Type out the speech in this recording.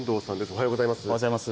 おはようございます。